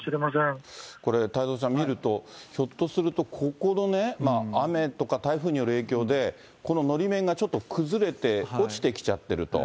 これ、太蔵ちゃん、見ると、ひょっとすると、ここの雨とか台風による影響で、こののり面がちょっと崩れて落ちてきちゃってると。